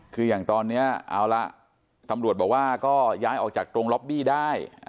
คืออย่างตอนนี้เอาละตำรวจบอกว่าก็ย้ายออกจากตรงล็อบบี้ได้